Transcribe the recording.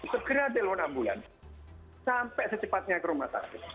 segera dilun ambulansi sampai secepatnya ke rumah sakit